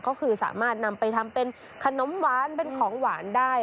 ก็คือสามารถนำไปทำเป็นขนมหวานเป็นของหวานได้